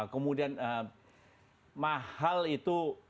kemudian mahal itu